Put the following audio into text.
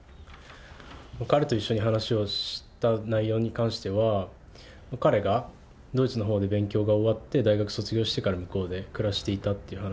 彼と一緒にした話の内容に関しては、彼がドイツのほうの勉強が終わって、大学卒業してから向こうで暮らしていたっていう話。